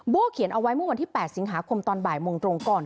เขียนเอาไว้เมื่อวันที่๘สิงหาคมตอนบ่ายโมงตรงก่อน